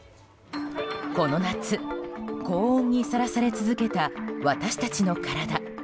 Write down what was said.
この夏、高温にさらされ続けた私たちの体。